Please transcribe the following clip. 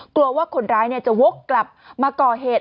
กลัวว่าคนร้ายจะวกกลับมาก่อเหตุ